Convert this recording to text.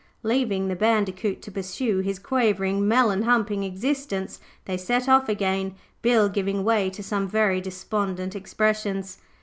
Leaving the Bandicoot to pursue his quavering, melon humping existence, they set off again, Bill giving way to some very despondent expressions.